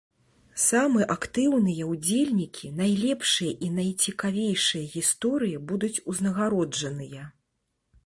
Самы актыўныя ўдзельнікі, найлепшыя і найцікавейшыя гісторыі будуць узнагароджаныя!